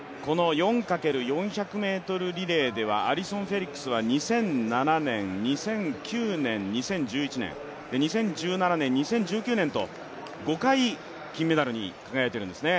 この４×４００ｍリレーではアリソン・フェリックスは２００７年、２００９年、２０１１年、２０１７年、２０１９年と５回、金メダルに輝いてるんですね。